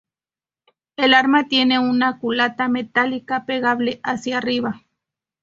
El arma tiene una culata metálica plegable hacia arriba.